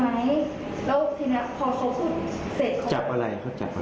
แล้วทีนี้พอเขาเสร็จเขาจะจับตรงเพศ